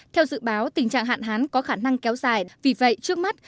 theo dự báo tình trạng hạn hán có khả năng kéo dài vì vậy trước mắt